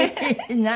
何？